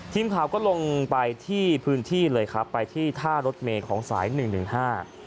ทีมข่าวก็ลงไปที่พื้นที่เลยครับไปที่ท่ารถเมย์ของสายหนึ่งหนึ่งห้า